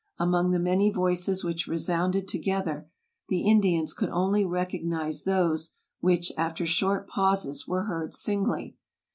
Among the many voices which resounded together, the Indians could only recognize those which, after short pauses, were heard singly.